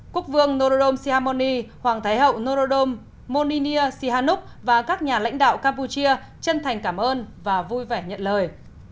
quốc vương norodom sihamoni hoàng thái hậu norodom moninia sihannuk và các nhà lãnh đạo campuchia chân thành cảm ơn và vui vẻ nhận lời